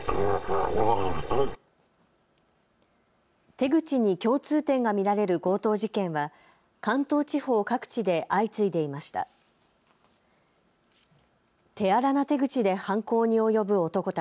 手口に共通点が見られる強盗事件は関東地方各地で相次いでいました。